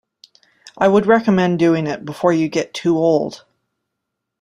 I would recommend doing it before you get too old.